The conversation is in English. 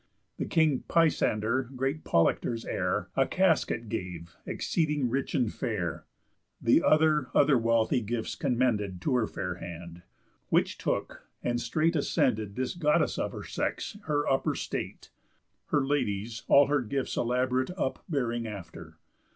The king Pisander, great Polyctor's heir, A casket gave, exceeding rich and fair. The other other wealthy gifts commended To her fair hand; which took, and straight ascended This Goddess of her sex her upper state. Her ladies all her gifts elaborate Up bearing after.